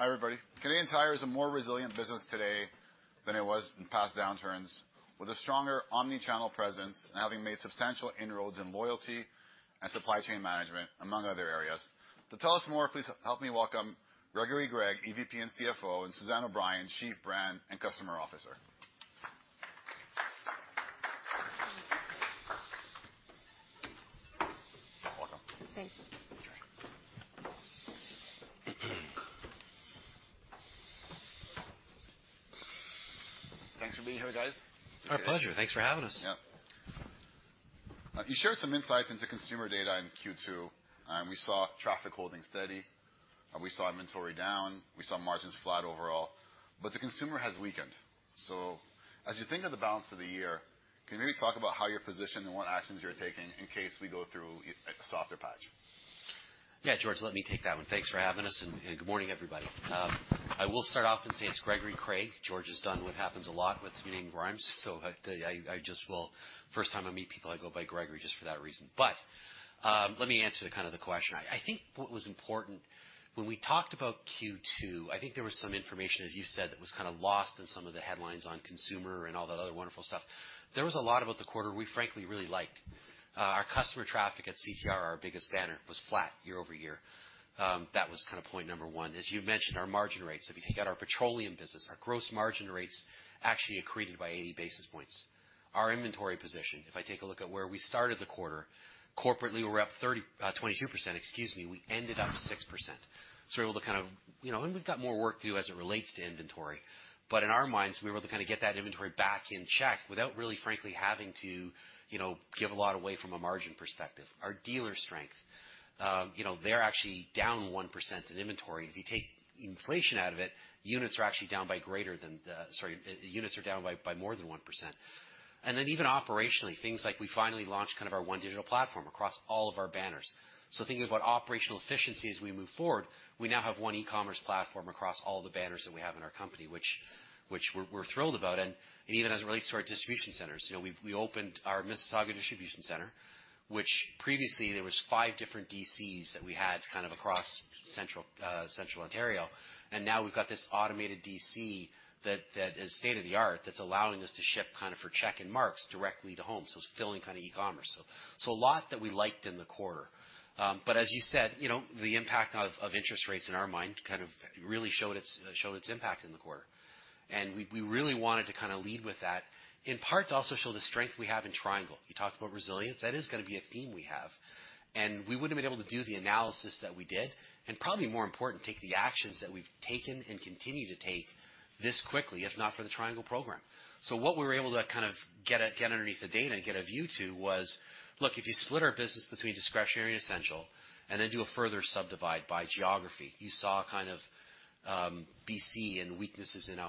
Hi everybody. Canadian Tire is a more resilient business today than it was in past downturns, with a stronger omnichannel presence and having made substantial inroads in loyalty and supply chain management, among other areas. To tell us more, please help me welcome Gregory Craig, EVP and CFO, and Susan O'Brien, Chief Brand and Customer Officer. Welcome. Thanks. Okay. Thanks for being here, guys. Our pleasure. Thanks for having us. Yeah. You shared some insights into consumer data in Q2. We saw traffic holding steady. We saw inventory down. We saw margins flat overall. But the consumer has weakened. So as you think of the balance of the year, can you maybe talk about how you're positioned and what actions you're taking in case we go through a softer patch? Yeah, George, let me take that one. Thanks for having us, and good morning, everybody. I will start off and say it's Gregory Craig. George has done what happens a lot with my name's, so I just will, first time I meet people, I go by Gregory just for that reason. But let me answer kind of the question. I think what was important when we talked about Q2, I think there was some information, as you said, that was kind of lost in some of the headlines on consumer and all that other wonderful stuff. There was a lot about the quarter we, frankly, really liked. Our customer traffic at CTR, our biggest banner, was flat year-over-year. That was kind of point number one. As you mentioned, our margin rates, if you take out our petroleum business, our gross margin rates actually accreted by 80 basis points. Our inventory position, if I take a look at where we started the quarter, corporately we're up 22%. Excuse me, we ended up 6%. So we were able to kind of, and we've got more work to do as it relates to inventory. But in our minds, we were able to kind of get that inventory back in check without really, frankly, having to give a lot away from a margin perspective. Our dealer strength, they're actually down 1% in inventory. If you take inflation out of it, units are actually down by more than 1%. And then even operationally, things like we finally launched kind of our One Digital Platform across all of our banners. So thinking about operational efficiency as we move forward, we now have one e-commerce platform across all the banners that we have in our company, which we're thrilled about. And even as it relates to our distribution centers, we opened our Mississauga distribution center, which previously there were five different DCs that we had kind of across central Ontario. And now we've got this automated DC that is state of the art that's allowing us to ship kind of for Sport Chek and Mark's directly to home. So it's fulfilling kind of e-commerce. So a lot that we liked in the quarter. But as you said, the impact of interest rates in our mind kind of really showed its impact in the quarter. And we really wanted to kind of lead with that. In part, to also show the strength we have in Triangle. You talked about resilience. That is going to be a theme we have, and we wouldn't have been able to do the analysis that we did, and probably more important, take the actions that we've taken and continue to take this quickly, if not for the Triangle program. So what we were able to kind of get underneath the data and get a view to was, look, if you split our business between discretionary and essential, and then do a further subdivide by geography, you saw kind of BC and weaknesses in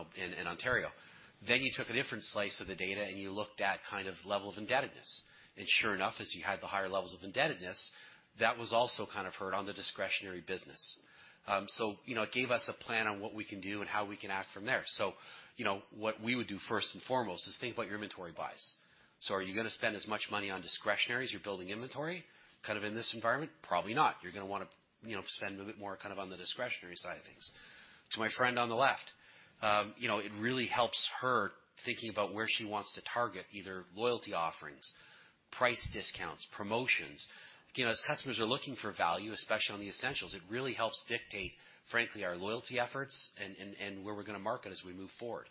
Ontario, then you took a different slice of the data and you looked at kind of level of indebtedness, and sure enough, as you had the higher levels of indebtedness, that was also kind of hurt on the discretionary business, so it gave us a plan on what we can do and how we can act from there. What we would do first and foremost is think about your inventory bias. Are you going to spend as much money on discretionary as you're building inventory kind of in this environment? Probably not. You're going to want to spend a bit more kind of on the discretionary side of things. To my friend on the left, it really helps her thinking about where she wants to target either loyalty offerings, price discounts, promotions. As customers are looking for value, especially on the essentials, it really helps dictate, frankly, our loyalty efforts and where we're going to market as we move forward.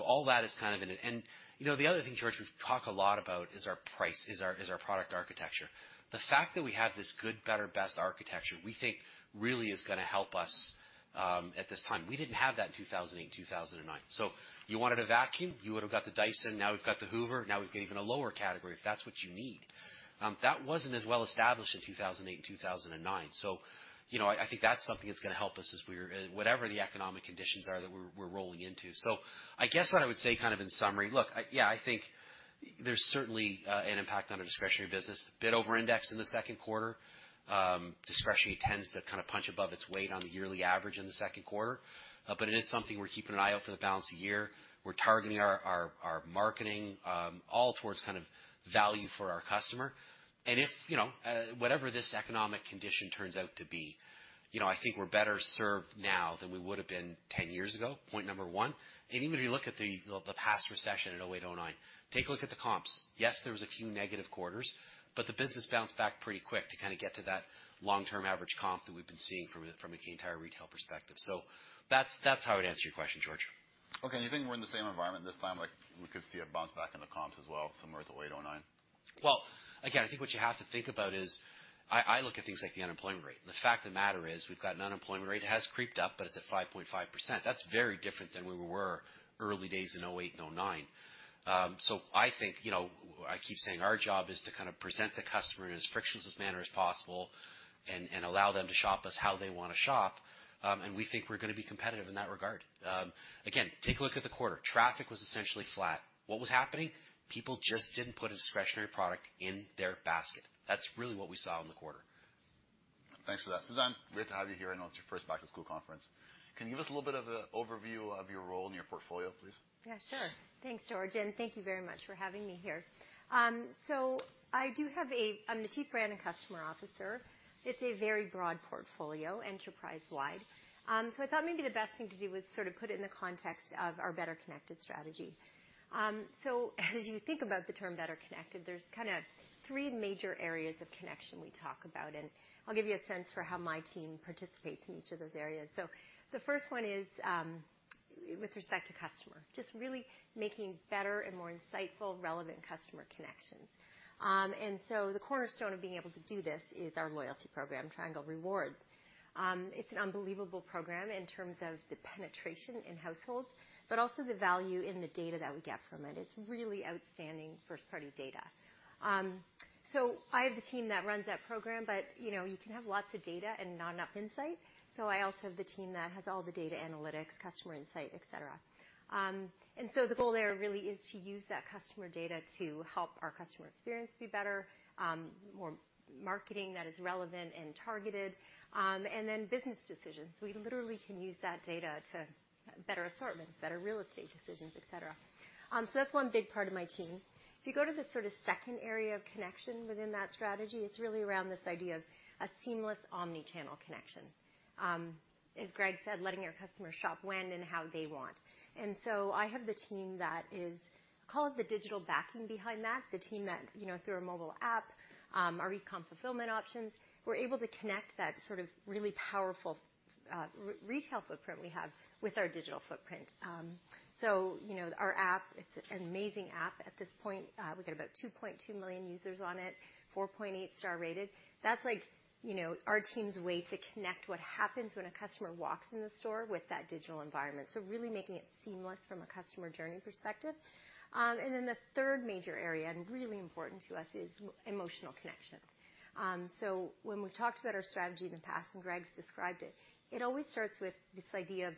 All that is kind of in it. The other thing, George, we've talked a lot about is our price, is our product architecture. The fact that we have this Good, Better, Best architecture, we think really is going to help us at this time. We didn't have that in 2008 and 2009. So you wanted a vacuum, you would have got the Dyson, now we've got the Hoover, now we've got even a lower category if that's what you need. That wasn't as well established in 2008 and 2009. So I think that's something that's going to help us as we're in whatever the economic conditions are that we're rolling into. So I guess what I would say kind of in summary, look, yeah, I think there's certainly an impact on our discretionary business. Bit overindexed in the second quarter. Discretionary tends to kind of punch above its weight on the yearly average in the second quarter. But it is something we're keeping an eye out for the balance of year. We're targeting our marketing all towards kind of value for our customer. And if whatever this economic condition turns out to be, I think we're better served now than we would have been 10 years ago, point number one. And even if you look at the past recession in 2008, 2009, take a look at the comps. Yes, there were a few negative quarters, but the business bounced back pretty quick to kind of get to that long-term average comp that we've been seeing from a Canadian Tire retail perspective. So that's how I would answer your question, George. Okay. Do you think we're in the same environment this time? We could see a bounce back in the comps as well, similar to 2008, 2009? Again, I think what you have to think about is I look at things like the unemployment rate. The fact of the matter is we've got an unemployment rate that has creeped up, but it's at 5.5%. That's very different than where we were early days in 2008 and 2009. I think, I keep saying our job is to kind of present the customer in as frictionless a manner as possible and allow them to shop us how they want to shop. We think we're going to be competitive in that regard. Again, take a look at the quarter. Traffic was essentially flat. What was happening? People just didn't put a discretionary product in their basket. That's really what we saw in the quarter. Thanks for that. Susan, great to have you here. I know it's your first back to school conference. Can you give us a little bit of an overview of your role and your portfolio, please? Yeah, sure. Thanks, George, and thank you very much for having me here. So I do have. I'm the Chief Brand and Customer Officer. It's a very broad portfolio, enterprise-wide. So I thought maybe the best thing to do was sort of put it in the context of our Better Connected strategy. So as you think about the term Better Connected, there's kind of three major areas of connection we talk about, and I'll give you a sense for how my team participates in each of those areas. So the first one is with respect to customer, just really making better and more insightful, relevant customer connections. And so the cornerstone of being able to do this is our loyalty program, Triangle Rewards. It's an unbelievable program in terms of the penetration in households, but also the value in the data that we get from it. It's really outstanding first-party data. So I have the team that runs that program, but you can have lots of data and not enough insight. So I also have the team that has all the data analytics, customer insight, etc. And so the goal there really is to use that customer data to help our customer experience be better, more marketing that is relevant and targeted, and then business decisions. We literally can use that data to better assortments, better real estate decisions, etc. So that's one big part of my team. If you go to the sort of second area of connection within that strategy, it's really around this idea of a seamless omnichannel connection. As Greg said, letting our customers shop when and how they want. And so I have the team that is, I call it the digital backing behind that, the team that through our mobile app, our e-com fulfillment options, we're able to connect that sort of really powerful retail footprint we have with our digital footprint. So our app, it's an amazing app at this point. We got about 2.2 million users on it, 4.8-star rated. That's like our team's way to connect what happens when a customer walks in the store with that digital environment. So really making it seamless from a customer journey perspective. And then the third major area and really important to us is emotional connection. So when we've talked about our strategy in the past and Greg's described it, it always starts with this idea of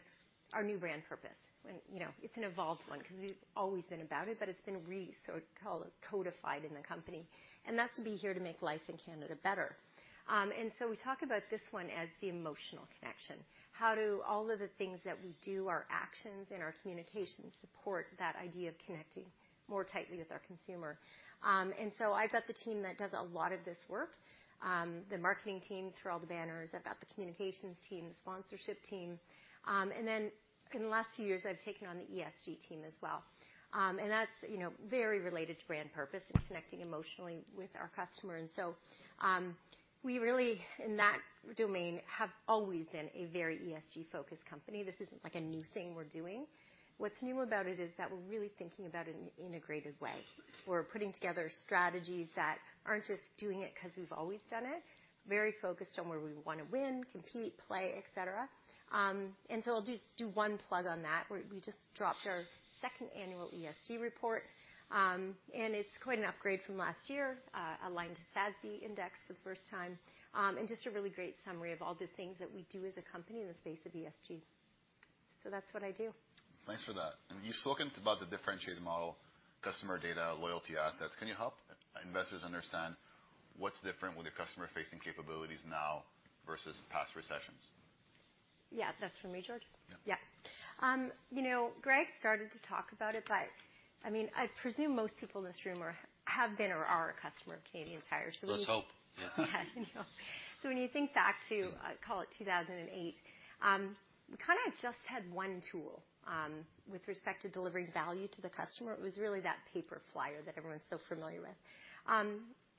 our new brand purpose. It's an evolved one because we've always been about it, but it's been recodified in the company. And that's to be here to make life in Canada better. And so we talk about this one as the emotional connection, how do all of the things that we do, our actions and our communications support that idea of connecting more tightly with our consumer. And so I've got the team that does a lot of this work, the marketing team through all the banners. I've got the communications team, the sponsorship team. And then in the last few years, I've taken on the ESG team as well. And that's very related to brand purpose and connecting emotionally with our customer. And so we really, in that domain, have always been a very ESG-focused company. This isn't like a new thing we're doing. What's new about it is that we're really thinking about it in an integrated way. We're putting together strategies that aren't just doing it because we've always done it, very focused on where we want to win, compete, play, etc., and so I'll just do one plug on that. We just dropped our second annual ESG report, and it's quite an upgrade from last year, aligned to SASB Index for the first time, and just a really great summary of all the things that we do as a company in the space of ESG, so that's what I do. Thanks for that. And you've spoken about the differentiated model, customer data, loyalty assets. Can you help investors understand what's different with your customer-facing capabilities now versus past recessions? Yeah, that's from me, George? Yeah. Yeah. Greg started to talk about it, but I mean, I presume most people in this room have been or are a customer of Canadian Tire. Let's hope. Yeah, so when you think back to, I call it 2008, we kind of just had one tool with respect to delivering value to the customer. It was really that paper flyer that everyone's so familiar with,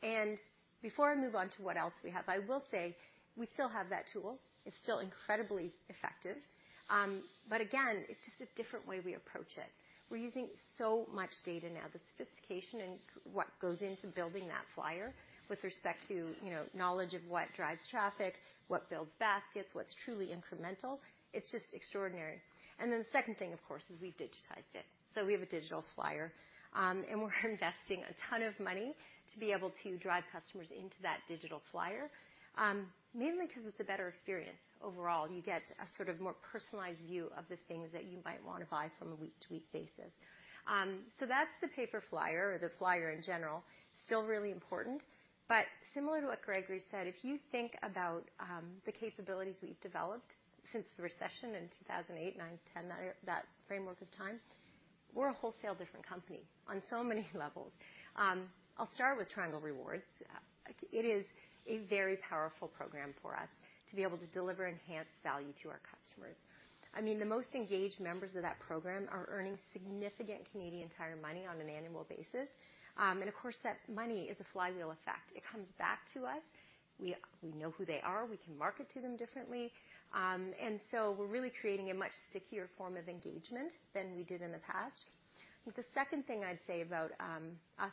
and before I move on to what else we have, I will say we still have that tool. It's still incredibly effective, but again, it's just a different way we approach it. We're using so much data now, the sophistication and what goes into building that flyer with respect to knowledge of what drives traffic, what builds baskets, what's truly incremental. It's just extraordinary, and then the second thing, of course, is we've digitized it, so we have a digital flyer, and we're investing a ton of money to be able to drive customers into that digital flyer, mainly because it's a better experience overall. You get a sort of more personalized view of the things that you might want to buy from a week-to-week basis. So that's the paper flyer or the flyer in general, still really important. But similar to what Gregory said, if you think about the capabilities we've developed since the recession in 2008, 2009, 2010, that framework of time, we're a wholly different company on so many levels. I'll start with Triangle Rewards. It is a very powerful program for us to be able to deliver enhanced value to our customers. I mean, the most engaged members of that program are earning significant Canadian Tire Money on an annual basis. And of course, that money is a flywheel effect. It comes back to us. We know who they are. We can market to them differently. And so we're really creating a much stickier form of engagement than we did in the past. The second thing I'd say about us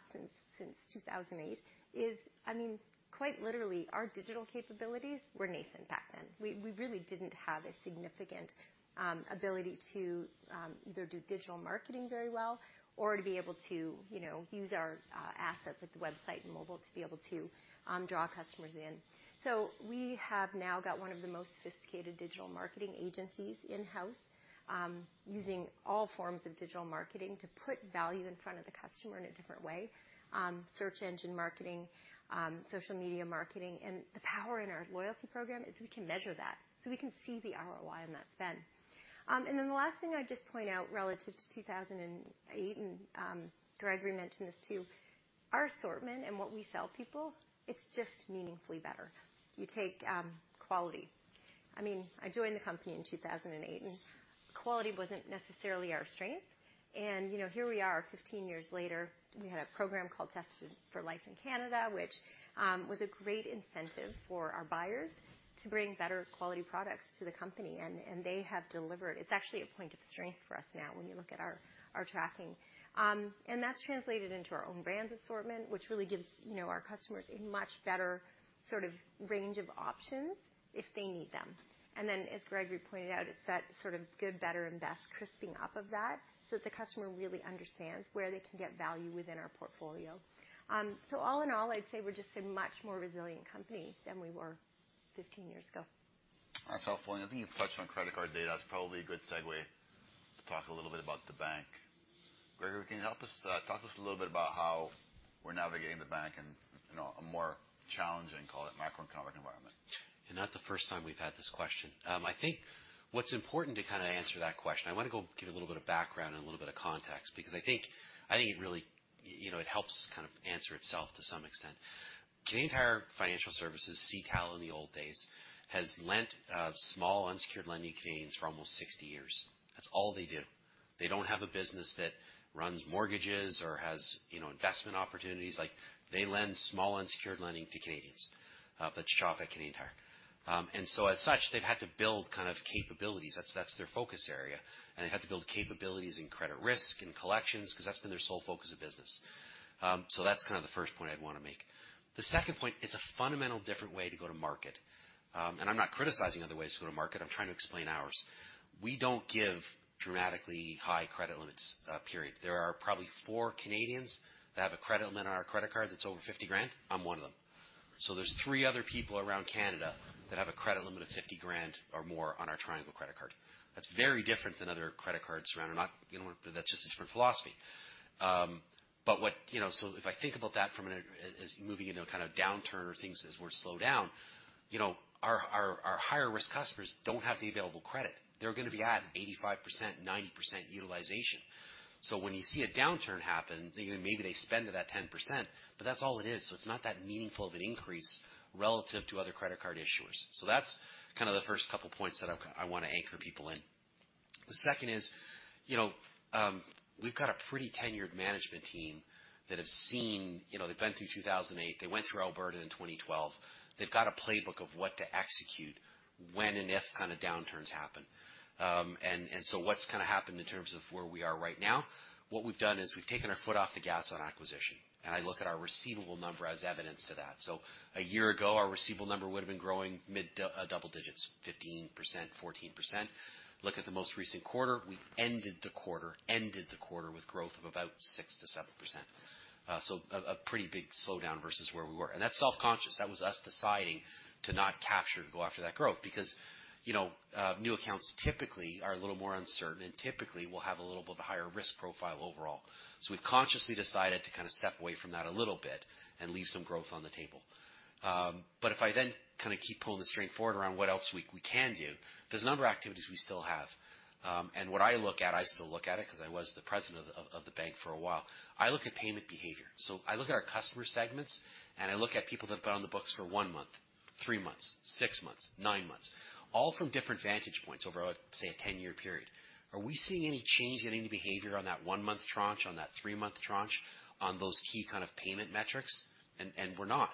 since 2008 is, I mean, quite literally, our digital capabilities, we're nascent back then. We really didn't have a significant ability to either do digital marketing very well or to be able to use our assets like the website and mobile to be able to draw customers in. So we have now got one of the most sophisticated digital marketing agencies in-house using all forms of digital marketing to put value in front of the customer in a different way, search engine marketing, social media marketing. And the power in our loyalty program is we can measure that. So we can see the ROI on that spend. And then the last thing I'd just point out relative to 2008, and Gregory mentioned this too, our assortment and what we sell people. It's just meaningfully better. You take quality. I mean, I joined the company in 2008, and quality wasn't necessarily our strength. And here we are, 15 years later. We had a program called Tested for Life in Canada, which was a great incentive for our buyers to bring better quality products to the company. And they have delivered. It's actually a point of strength for us now when you look at our tracking. And that's translated into our own brand's assortment, which really gives our customers a much better sort of range of options if they need them. And then, as Gregory pointed out, it's that sort of good, better, and best crisping up of that so that the customer really understands where they can get value within our portfolio. So all in all, I'd say we're just a much more resilient company than we were 15 years ago. That's helpful. And I think you've touched on credit card data. That's probably a good segue to talk a little bit about the bank. Gregory, can you help us talk to us a little bit about how we're navigating the bank in a more challenging, call it macroeconomic environment? and not the first time we've had this question. I think what's important to kind of answer that question, I want to go give you a little bit of background and a little bit of context because I think it really helps kind of answer itself to some extent. Canadian Tire Financial Services, CTAL in the old days, has lent small unsecured lending to Canadians for almost 60 years. That's all they do. They don't have a business that runs mortgages or has investment opportunities. They lend small unsecured lending to Canadians, but shop at Canadian Tire. And so as such, they've had to build kind of capabilities. That's their focus area. And they've had to build capabilities in credit risk and collections because that's been their sole focus of business. So that's kind of the first point I'd want to make. The second point, it's a fundamentally different way to go to market, and I'm not criticizing other ways to go to market. I'm trying to explain ours. We don't give dramatically high credit limits, period. There are probably four Canadians that have a credit limit on our credit card that's over 50 grand. I'm one of them. So there's three other people around Canada that have a credit limit of 50 grand or more on our Triangle Credit Card. That's very different than other credit cards around. I'm not going to want to put that just a different philosophy, but so if I think about that from moving into a kind of downturn or things as we're slowed down, our higher-risk customers don't have the available credit. They're going to be at 85%, 90% utilization. So when you see a downturn happen, maybe they spend to that 10%, but that's all it is. So it's not that meaningful of an increase relative to other credit card issuers. So that's kind of the first couple of points that I want to anchor people in. The second is we've got a pretty tenured management team that have seen they've been through 2008. They went through Alberta in 2012. They've got a playbook of what to execute when and if kind of downturns happen. And so what's kind of happened in terms of where we are right now, what we've done is we've taken our foot off the gas on acquisition. And I look at our receivable number as evidence to that. So a year ago, our receivable number would have been growing mid-double digits, 15%, 14%. Look at the most recent quarter. We ended the quarter with growth of about six to seven%, so a pretty big slowdown versus where we were, and that's self-inflicted. That was us deciding to not capture and go after that growth because new accounts typically are a little more uncertain and typically will have a little bit of a higher risk profile overall, so we've consciously decided to kind of step away from that a little bit and leave some growth on the table, but if I then kind of keep pulling the string forward around what else we can do, there's a number of activities we still have, and what I look at, I still look at it because I was the president of the bank for a while. I look at payment behavior. So I look at our customer segments, and I look at people that have been on the books for one month, three months, six months, nine months, all from different vantage points over, say, a 10-year period. Are we seeing any change in any behavior on that one-month tranche, on that three-month tranche, on those key kind of payment metrics? And we're not.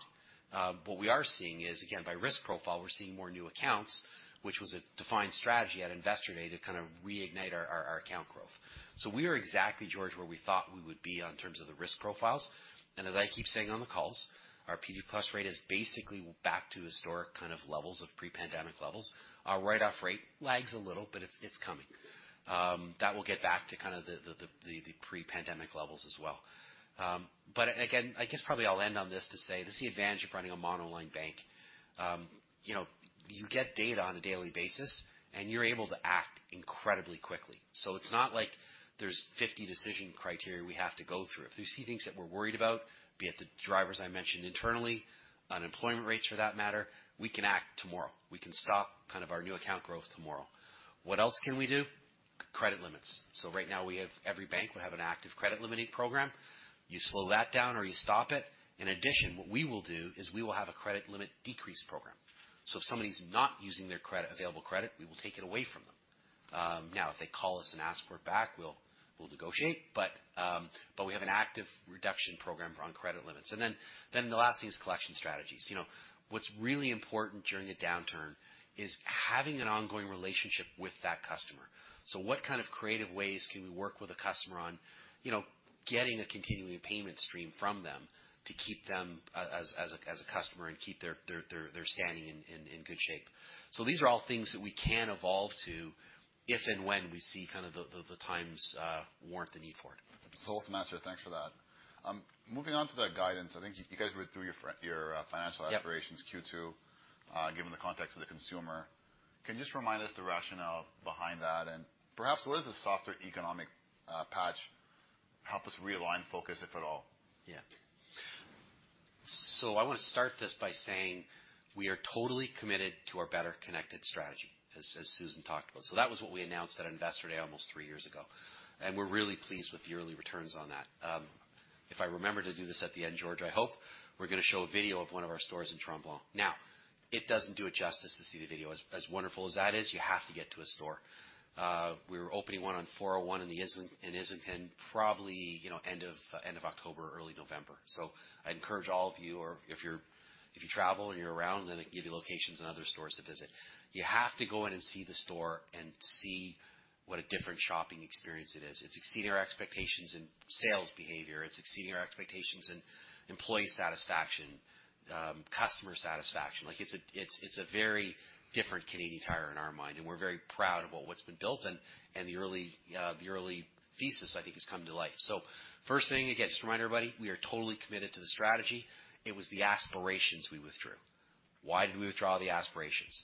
What we are seeing is, again, by risk profile, we're seeing more new accounts, which was a defined strategy at investor day to kind of reignite our account growth. So we are exactly, George, where we thought we would be in terms of the risk profiles. And as I keep saying on the calls, our PD+ rate is basically back to historic kind of levels of pre-pandemic levels. Our write-off rate lags a little, but it's coming. That will get back to kind of the pre-pandemic levels as well. But again, I guess probably I'll end on this to say this is the advantage of running a monoline bank. You get data on a daily basis, and you're able to act incredibly quickly. So it's not like there's 50 decision criteria we have to go through. If we see things that we're worried about, be it the drivers I mentioned internally, unemployment rates for that matter, we can act tomorrow. We can stop kind of our new account growth tomorrow. What else can we do? Credit limits. So right now, every bank would have an active credit-limiting program. You slow that down or you stop it. In addition, what we will do is we will have a credit limit decrease program. So if somebody's not using their available credit, we will take it away from them. Now, if they call us and ask for it back, we'll negotiate. But we have an active reduction program on credit limits. And then the last thing is collection strategies. What's really important during a downturn is having an ongoing relationship with that customer. So what kind of creative ways can we work with a customer on getting a continuing payment stream from them to keep them as a customer and keep their standing in good shape? So these are all things that we can evolve to if and when we see kind of the times warrant the need for it. Wolfmaster, thanks for that. Moving on to the guidance, I think you guys were through your financial aspirations Q2, given the context of the consumer. Can you just remind us the rationale behind that? And perhaps, what does the software economic patch help us realign focus, if at all? Yeah. So I want to start this by saying we are totally committed to our better connected strategy, as Susan talked about. So that was what we announced at investor day almost three years ago. And we're really pleased with the early returns on that. If I remember to do this at the end, George, I hope we're going to show a video of one of our stores in Mont-Tremblant. Now, it doesn't do it justice to see the video. As wonderful as that is, you have to get to a store. We were opening one on 401 and Islington, probably end of October, early November. So I encourage all of you, or if you travel and you're around, then I can give you locations and other stores to visit. You have to go in and see the store and see what a different shopping experience it is. It's exceeding our expectations in sales behavior. It's exceeding our expectations in employee satisfaction, customer satisfaction. It's a very different Canadian Tire in our mind, and we're very proud of what's been built. And the early thesis, I think, has come to life. So first thing, again, just to remind everybody, we are totally committed to the strategy. It was the aspirations we withdrew. Why did we withdraw the aspirations?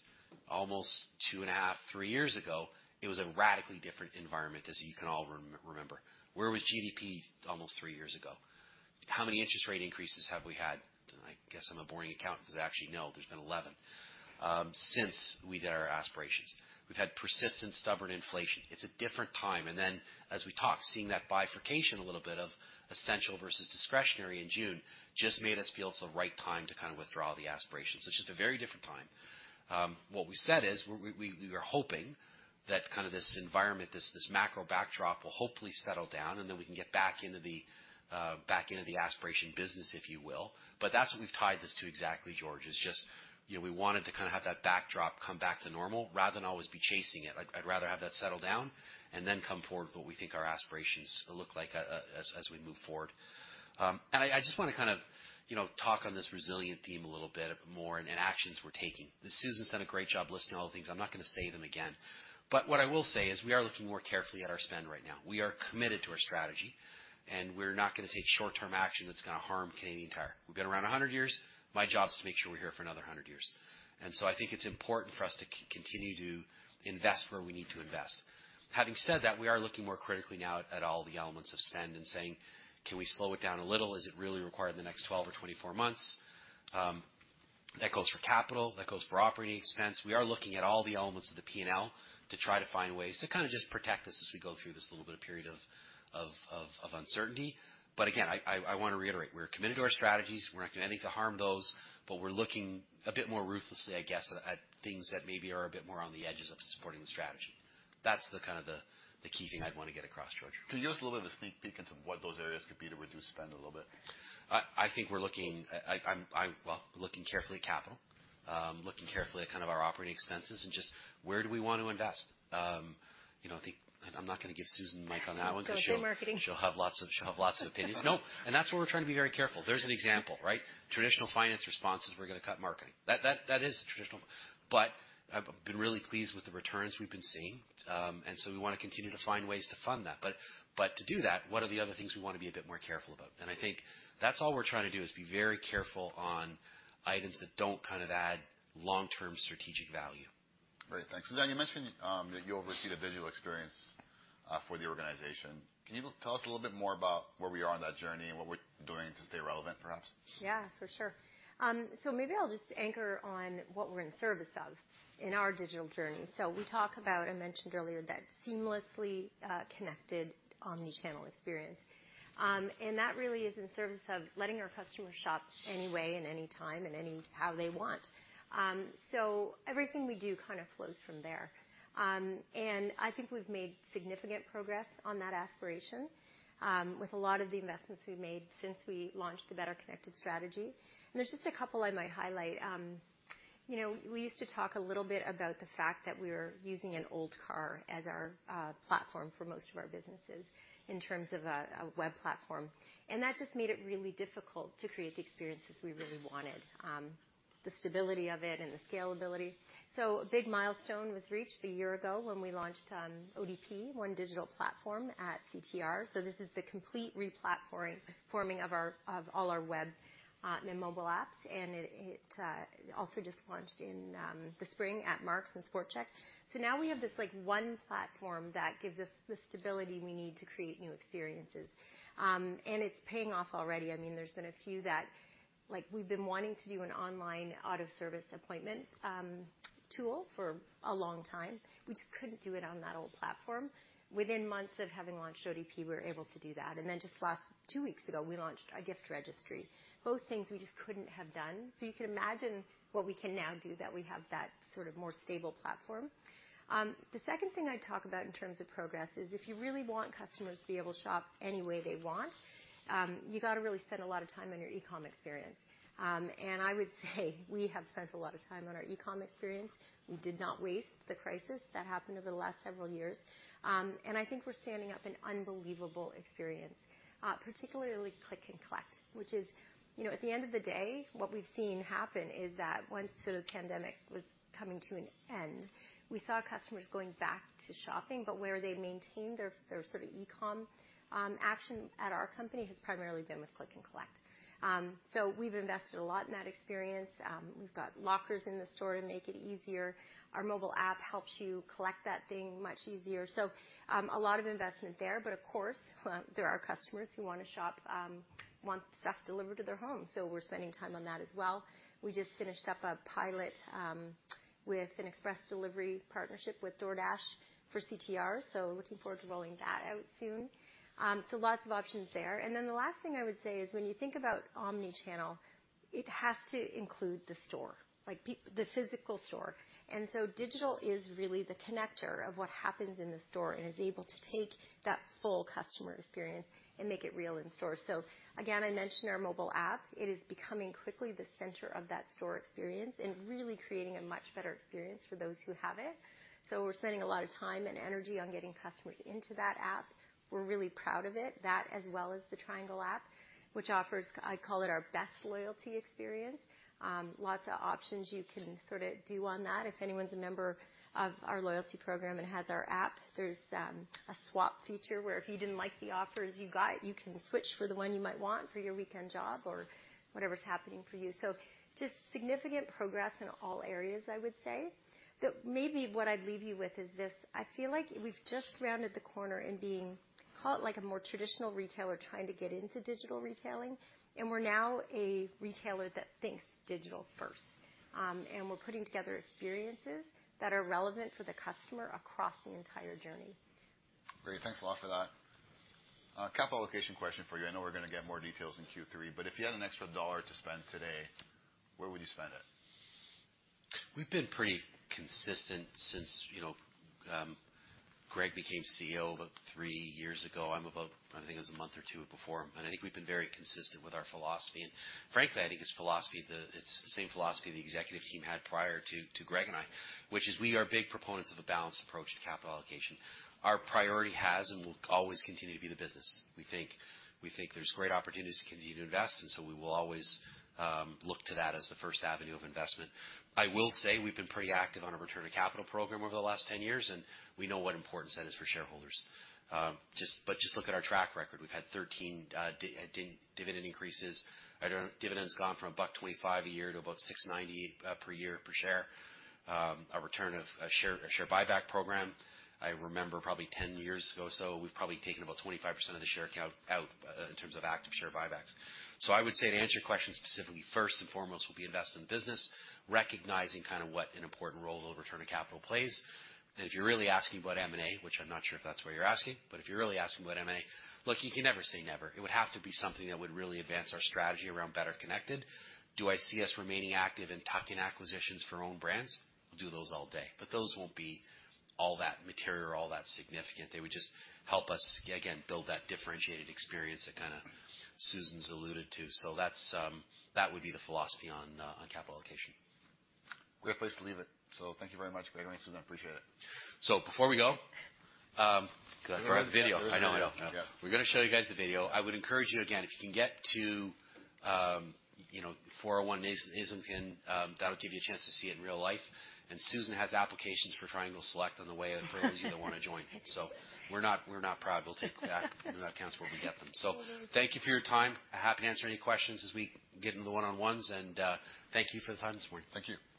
Almost two and a half, three years ago, it was a radically different environment, as you can all remember. Where was GDP almost three years ago? How many interest rate increases have we had? And I guess I'm a boring accountant because actually, no, there's been 11 since we did our aspirations. We've had persistent, stubborn inflation. It's a different time. And then, as we talk, seeing that bifurcation a little bit of essential versus discretionary in June just made us feel it's the right time to kind of withdraw the aspirations. It's just a very different time. What we said is we were hoping that kind of this environment, this macro backdrop will hopefully settle down, and then we can get back into the aspiration business, if you will. But that's what we've tied this to exactly, George, is just we wanted to kind of have that backdrop come back to normal rather than always be chasing it. I'd rather have that settle down and then come forward with what we think our aspirations look like as we move forward. And I just want to kind of talk on this resilient theme a little bit more and actions we're taking. Susan's done a great job listing all the things. I'm not going to say them again. But what I will say is we are looking more carefully at our spend right now. We are committed to our strategy, and we're not going to take short-term action that's going to harm Canadian Tire. We've been around 100 years. My job is to make sure we're here for another 100 years. And so I think it's important for us to continue to invest where we need to invest. Having said that, we are looking more critically now at all the elements of spend and saying, "Can we slow it down a little? Is it really required in the next 12 or 24 months?" That goes for capital. That goes for operating expense. We are looking at all the elements of the P&L to try to find ways to kind of just protect us as we go through this little bit of period of uncertainty. But again, I want to reiterate, we're committed to our strategies. We're not doing anything to harm those, but we're looking a bit more ruthlessly, I guess, at things that maybe are a bit more on the edges of supporting the strategy. That's kind of the key thing I'd want to get across, George. Can you give us a little bit of a sneak peek into what those areas could be to reduce spend a little bit? I think we're looking carefully at capital, looking carefully at kind of our operating expenses, and just where do we want to invest? I think I'm not going to give Susan the mic on that one. Social marketing. She'll have lots of opinions. Nope. And that's where we're trying to be very careful. There's an example, right? Traditional finance responses, we're going to cut marketing. That is a traditional. But I've been really pleased with the returns we've been seeing. And so we want to continue to find ways to fund that. But to do that, what are the other things we want to be a bit more careful about? And I think that's all we're trying to do is be very careful on items that don't kind of add long-term strategic value. Great. Thanks. Susan, you mentioned that you oversee the digital experience for the organization. Can you tell us a little bit more about where we are on that journey and what we're doing to stay relevant, perhaps? Yeah, for sure. So maybe I'll just anchor on what we're in service of in our digital journey. So we talk about, I mentioned earlier, that seamlessly connected omnichannel experience. And that really is in service of letting our customers shop any way, and any time, and how they want. So everything we do kind of flows from there. And I think we've made significant progress on that aspiration with a lot of the investments we've made since we launched the better connected strategy. And there's just a couple I might highlight. We used to talk a little bit about the fact that we were using an old car as our platform for most of our businesses in terms of a web platform. And that just made it really difficult to create the experiences we really wanted, the stability of it and the scalability. So a big milestone was reached a year ago when we launched ODP, One Digital Platform, at CTR. So this is the complete replatforming of all our web and mobile apps. And it also just launched in the spring at Mark's and Sport Chek. So now we have this one platform that gives us the stability we need to create new experiences. And it's paying off already. I mean, there's been a few that we've been wanting to do an online auto service appointment tool for a long time. We just couldn't do it on that old platform. Within months of having launched ODP, we were able to do that. And then just last two weeks ago, we launched a gift registry, both things we just couldn't have done. So you can imagine what we can now do that we have that sort of more stable platform. The second thing I'd talk about in terms of progress is if you really want customers to be able to shop any way they want, you got to really spend a lot of time on your e-comm experience. And I would say we have spent a lot of time on our e-comm experience. We did not waste the crisis that happened over the last several years. And I think we're standing up an unbelievable experience, particularly click and collect, which is at the end of the day, what we've seen happen is that once the pandemic was coming to an end, we saw customers going back to shopping. But where they maintained their sort of e-comm action at our company has primarily been with click and collect. So we've invested a lot in that experience. We've got lockers in the store to make it easier. Our mobile app helps you collect that thing much easier. So a lot of investment there. But of course, there are customers who want to shop, want stuff delivered to their home. So we're spending time on that as well. We just finished up a pilot with an express delivery partnership with DoorDash for CTR. So looking forward to rolling that out soon. So lots of options there. And then the last thing I would say is when you think about omnichannel, it has to include the store, the physical store. And so digital is really the connector of what happens in the store and is able to take that full customer experience and make it real in store. So again, I mentioned our mobile app. It is becoming quickly the center of that store experience and really creating a much better experience for those who have it. We're spending a lot of time and energy on getting customers into that app. We're really proud of it, that as well as the Triangle app, which offers, I call it, our best loyalty experience. Lots of options you can sort of do on that. If anyone's a member of our loyalty program and has our app, there's a swap feature where if you didn't like the offers you got, you can switch for the one you might want for your weekend job or whatever's happening for you. Just significant progress in all areas, I would say. Maybe what I'd leave you with is this: I feel like we've just rounded the corner in being, call it like a more traditional retailer trying to get into digital retailing, and we're now a retailer that thinks digital first. We're putting together experiences that are relevant for the customer across the entire journey. Great. Thanks a lot for that. Capital allocation question for you. I know we're going to get more details in Q3, but if you had an extra dollar to spend today, where would you spend it? We've been pretty consistent since Greg became CEO about three years ago. I think it was a month or two before, and I think we've been very consistent with our philosophy. Frankly, I think it's the same philosophy the executive team had prior to Greg and I, which is we are big proponents of a balanced approach to capital allocation. Our priority has and will always continue to be the business. We think there's great opportunities to continue to invest, and so we will always look to that as the first avenue of investment. I will say we've been pretty active on our return of capital program over the last 10 years, and we know what importance that is for shareholders, but just look at our track record. We've had 13 dividend increases. Dividends gone from 1.25 a year to about 6.90 per year per share. Our return of share buyback program, I remember probably 10 years ago, so we've probably taken about 25% of the share account out in terms of active share buybacks, so I would say to answer your question specifically, first and foremost, we'll be investing in business, recognizing kind of what an important role the return of capital plays, and if you're really asking about M&A, which I'm not sure if that's what you're asking, but if you're really asking about M&A, look, you can never say never. It would have to be something that would really advance our strategy around better connected. Do I see us remaining active in tuck-in acquisitions for own brands? We'll do those all day, but those won't be all that material or all that significant. They would just help us, again, build that differentiated experience that kind of Susan's alluded to. That would be the philosophy on capital allocation. Great place to leave it. So thank you very much, Gregory and Susan. Appreciate it. So before we go. Can I throw out the video? I know, I know. Yes. We're going to show you guys the video. I would encourage you again, if you can get to 401 and Islington, that'll give you a chance to see it in real life, and Susan has applications for Triangle Select on the way if there are those of you that want to join, so we're not proud. We'll take them back. That counts where we get them, so thank you for your time. Happy to answer any questions as we get into the one-on-ones, and thank you for the time this morning. Thank you.